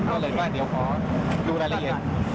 ก็เลยว่าเดี๋ยวขอดูรายละเอียด